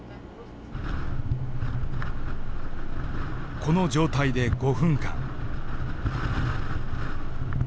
この状態で５分間。